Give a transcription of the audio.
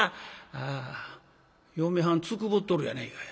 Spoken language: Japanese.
ああ嫁はんつくぼっとるやないかい。